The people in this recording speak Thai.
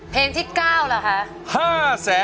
เพลงที่๙ล่ะค่ะ